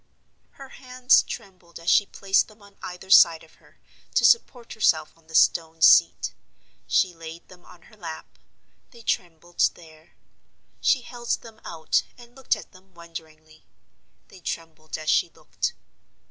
Her hands trembled as she placed them on either side of her, to support herself on the stone seat. She laid them on her lap; they trembled there. She held them out, and looked at them wonderingly; they trembled as she looked.